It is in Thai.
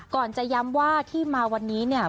ก่อนจะย้ำว่าที่มาวันนี้เนี่ย